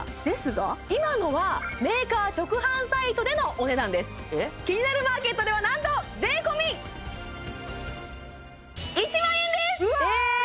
今のはメーカー直販サイトでのお値段です「キニナルマーケット」ではなんと税込１万円です！ええ！